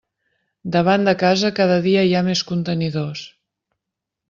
Davant de casa cada dia hi ha més contenidors.